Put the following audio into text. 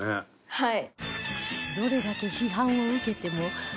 はい。